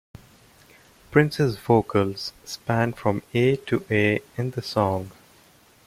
Prince's vocals span from A to A in the song.